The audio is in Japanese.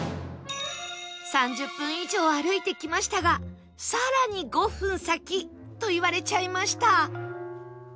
３０分以上歩いてきましたが更に５分先と言われちゃいました